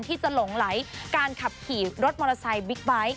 ที่จะหลงไหลการขับขี่รถมอเตอร์ไซค์บิ๊กไบท์